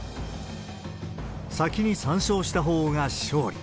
先に３勝したほうが勝利。